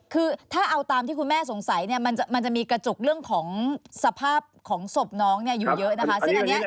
คือถ้าเอาตามที่คุณแม่สงสัยมันจะมีกระจกเรื่องของสภาพของศพน้องอยู่เยอะนะคะ